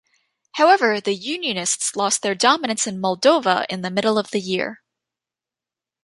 However, the "unionists" lost their dominance in Moldova in the middle of the year.